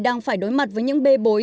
đang phải đối mặt với những bê bối